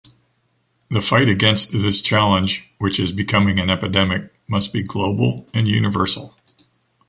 The fight against this challenge, which is becoming an epidemic, must be global and universal.